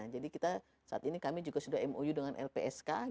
jadi saat ini kami juga sudah mou dengan lpsk